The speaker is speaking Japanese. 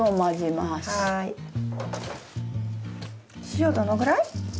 塩どのぐらい？